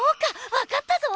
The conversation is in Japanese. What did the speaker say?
わかったぞ！